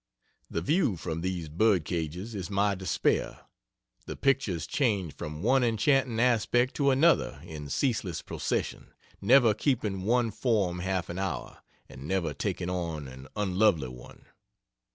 The view from these bird cages is my despair. The pictures change from one enchanting aspect to another in ceaseless procession, never keeping one form half an hour, and never taking on an unlovely one.